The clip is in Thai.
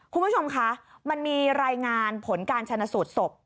คุณผู้ชมคะมันมีรายงานผลการชนะสูตรศพ